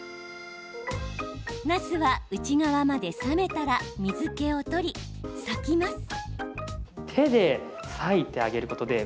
なすは内側まで冷めたら水けを取り、裂きます。